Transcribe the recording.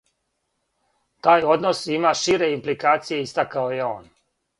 Тај однос има шире импликације, истакао је он.